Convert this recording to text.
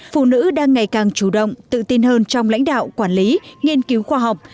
phụ nữ đang ngày càng chủ động tự tin hơn trong lãnh đạo quản lý nghiên cứu khoa học